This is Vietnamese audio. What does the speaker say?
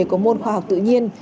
của môn khoa học tự nhiên